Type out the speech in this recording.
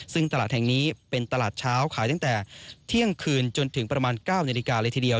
ซึ่งตลาดแห่งนี้เป็นตลาดเช้าขายตั้งแต่เที่ยงคืนจนถึงประมาณ๙นาฬิกาเลยทีเดียว